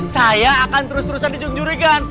saya akan terus terusan dijunjurikan